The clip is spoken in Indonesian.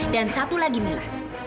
dan satu lagi mila